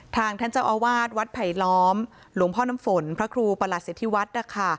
ทางท่านเจ้าอาวาสวัดไผลล้อมหลวงพ่อน้ำฝนพระครูประหลักษณ์เสถียรภัยวัด